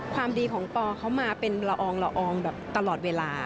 ความดีของปอเขามาเป็นละอองตลอดเวลา